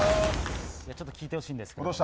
ちょっと聞いてほしいんです。